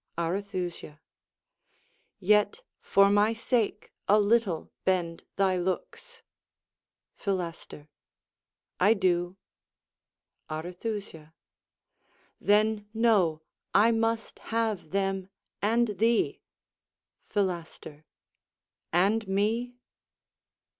Arethusa Yet, for my sake, a little bend thy looks. Philaster I do. Arethusa Then know, I must have them and thee. Philaster And me?